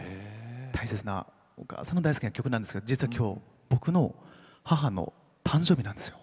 大切なお母さんの大好きな曲なんですが実はきょう僕の母の誕生日なんですよ。